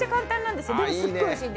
でも、すっごくおいしいんで。